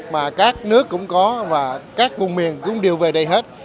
mà các nước cũng có và các vùng miền cũng đều về đây hết